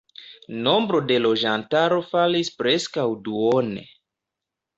Nombro de loĝantaro falis preskaŭ duone.